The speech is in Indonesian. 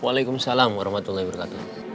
waalaikumsalam warahmatullahi wabarakatuh